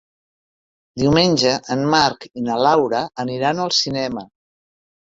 Diumenge en Marc i na Laura aniran al cinema.